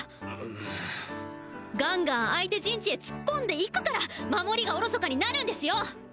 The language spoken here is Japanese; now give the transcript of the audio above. むガンガン相手陣地へ突っ込んでいくから守りがおろそかになるんですよ